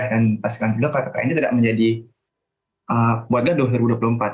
dan pastikan juga kpk ini tidak menjadi warga tahun dua ribu dua puluh empat